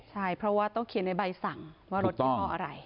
ใช่เพราะว่าต้องเขียนในใบสั่งว่ารถยี่ห้ออะไร